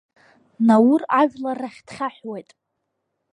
Наур ажәлар рахь дхьаҳәуеит.